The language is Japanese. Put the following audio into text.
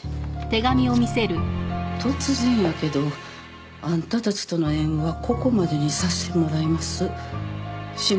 「突然やけどあんたたちとの縁はここまでにさせてもらいます」「志むらのことよろしゅう。